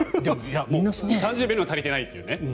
３０秒にも足りていないという。